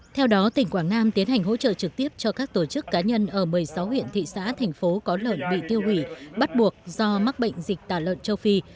theo đó tỉnh quảng nam tiến hành hỗ trợ trực tiếp cho các tổ chức cá nhân ở một mươi sáu huyện thị xã thành phố có lợn bị tiêu hủy bắt buộc do mắc bệnh dịch tả lợn châu phi